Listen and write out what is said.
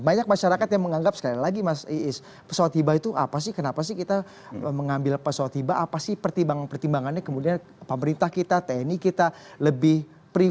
banyak masyarakat yang menganggap sekali lagi mas iis pesawat tiba itu apa sih kenapa sih kita mengambil pesawat tiba apa sih pertimbangannya kemudian pemerintah kita tni kita lebih prefer atau lebih memilih untuk memastikan